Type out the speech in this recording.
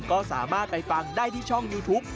ก็สามารถไปฟังได้ที่ช่องยูทูป